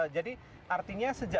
jadi artinya sejak